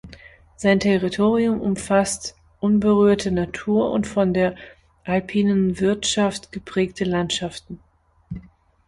Sein Territorium umfasst unberührte Natur und von der alpinen Wirtschaft geprägte Landschaften.